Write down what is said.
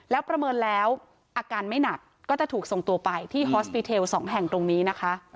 แล้วประเมินแล้วอาการไม่หนักก็จะถูกส่งตัวไปที่ฮอสปีเทล๒แห่งตรงนี้นะคะ